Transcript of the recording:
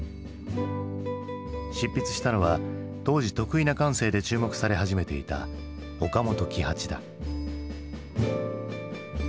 執筆したのは当時特異な感性で注目され始めていた岡本喜八だ。